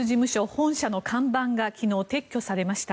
本社の看板が昨日、撤去されました。